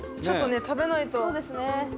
ちょっとね食べないと。